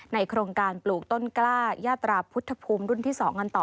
โครงการปลูกต้นกล้ายาตราพุทธภูมิรุ่นที่๒กันต่อ